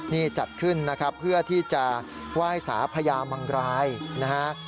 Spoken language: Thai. นี่จัดขึ้นนะครับเพื่อที่จะไหว้สาพญามังรายนะฮะ